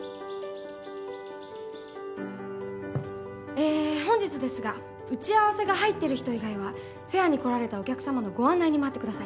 ええ本日ですが打ち合わせが入ってる人以外はフェアに来られたお客様のご案内にまわってください。